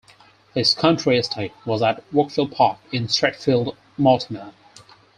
His country estate was at Wokefield Park in Stratfield Mortimer.